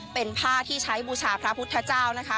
เป็นผ้าที่ใช้บูชาพระพุทธเจ้านะคะ